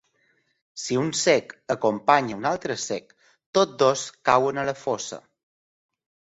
Si un cec acompanya un altre cec, tots dos cauen a la fossa.